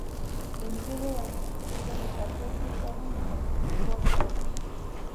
جميلې وويل:: زه به چترۍ پورته ونیسم، باد چلېږي.